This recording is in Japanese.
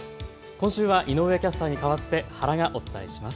今週は井上キャスターに代わって原がお伝えします。